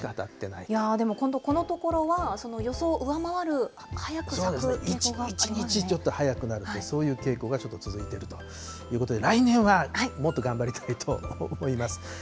いやでも、このところは予想を上回る、早く咲く傾向がありま１日ちょっと早くなる、そういう傾向が続いているということで、来年はもっと頑張りたいと思います。